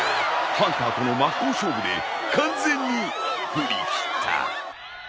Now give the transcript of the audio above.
ハンターとの真っ向勝負で完全に振り切った。